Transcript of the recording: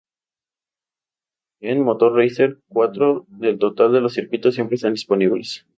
En "Moto Racer", cuatro del total de los circuitos siempre están disponibles.